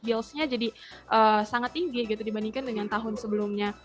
billsnya jadi sangat tinggi gitu dibandingkan dengan tahun sebelumnya